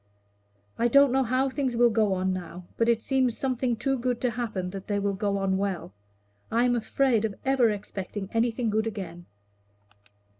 "I don't know how things will go on now, but it seems something too good to happen that they will go on well. I am afraid of ever expecting anything good again."